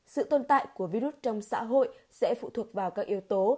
sự tồn tại của virus trong xã hội sẽ phụ thuộc vào các yếu tố